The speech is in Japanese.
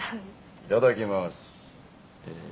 いただきますえ。